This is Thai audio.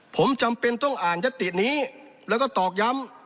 ผมจำเป็นต้องอ่านยตินี้แล้วก็ตอกย้ำ